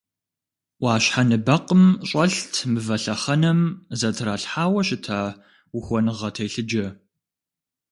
Ӏуащхьэ ныбэкъым щӀэлът мывэ лъэхъэнэм зэтралъхьауэ щыта ухуэныгъэ телъыджэ.